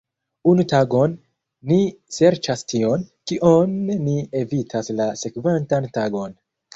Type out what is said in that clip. Unu tagon, ni serĉas tion, kion ni evitas la sekvantan tagon.